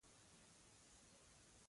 پیر پښتون و او د ښځو لپاره بېل ځایونه وو.